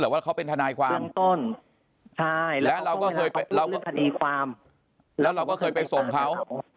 หรือว่าเขาเป็นทนายความใช่แล้วเราก็เคยไปแล้วเราก็เคยไปส่งเขา